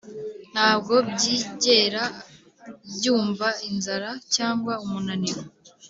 Nta bwo byigera byumva inzara cyangwa umunaniro,